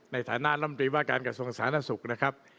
ในฐานะรำดีว่าการกระทรวงศาลนักศึกนะครับ